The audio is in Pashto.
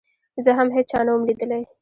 زه هم هېچا نه وم ليدلى.